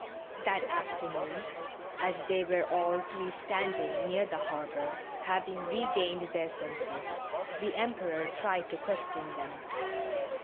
That afternoon, as they were all three standing near the harbor, having regained their senses, the Emperor tried to question them.